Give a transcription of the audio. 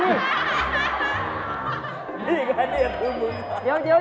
นี่ค่ะนี่คือคุณคุณค่ะ